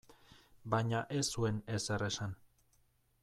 Baina ez zuen ezer esan.